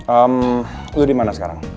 ehm lo dimana sekarang